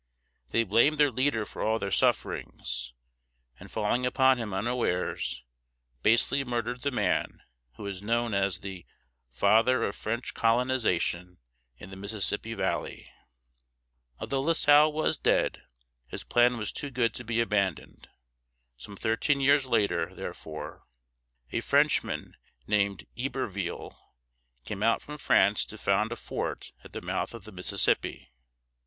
They blamed their leader for all their sufferings, and, falling upon him unawares, basely murdered the man who is known as the "father of French colonization in the Mississippi valley." Although La Salle was dead, his plan was too good to be abandoned. Some thirteen years later, therefore, a Frenchman named Iberville (e ber veel´) came out from France to found a fort at the mouth of the Mississippi.